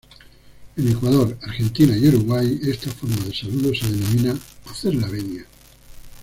En Ecuador, Argentina y Uruguay esta forma de saludo se denomina; "hacer la venia".